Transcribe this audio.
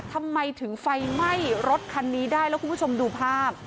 ทำไมถึงไฟไหม้รถคันนี้ได้แล้วคุณผู้ชมดูภาพ